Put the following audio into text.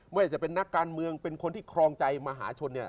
ไม่ว่าจะเป็นนักการเมืองเป็นคนที่ครองใจมหาชนเนี่ย